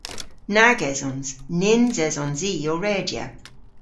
Nag esons. Nyns esons i ow redya.